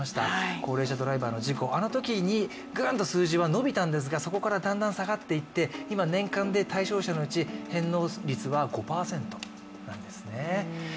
高齢者ドライバーの事故、あのときにぐんと数字は伸びたんですがそこからだんだん下がっていって、今、年間で対象者のうち、返納率は５％なんですね。